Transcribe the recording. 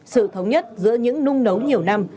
sự thống nhất giữa những nung nấu nhiều năm